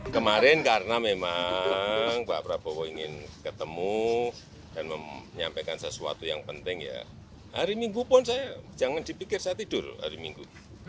kemarin karena memang pak prabowo ingin ketemu dan menyampaikan sesuatu yang penting ya hari minggu pun saya jangan dipikir saya tidur hari minggu